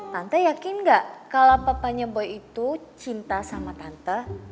tante yakin gak kalau papanya boy itu cinta sama tante